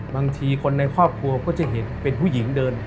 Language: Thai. บางทีคนในครอบครัวก็จะเห็นเป็นผู้หญิงเดิน